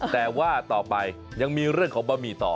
แต่ว่าต่อไปยังมีเรื่องของบะหมี่ต่อ